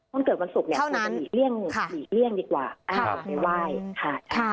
คนเกิดวันศุกร์เนี่ยควรจะหลีกเลี่ยงหลีกเลี่ยงดีกว่าไม่ไหว้ค่ะ